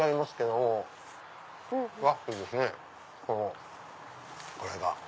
これが。